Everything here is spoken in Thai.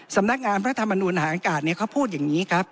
สำนักงานพระธรรมนูลหางกาศเขาพูดอย่างนี้ครับ